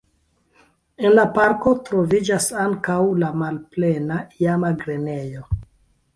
En la parko troviĝas ankaŭ la malplena iama grenejo.